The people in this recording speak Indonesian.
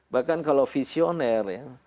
bahkan kalau visioner ya